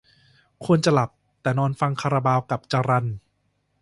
ควรจะหลับ แต่นอนฟังคาราบาวกับจรัล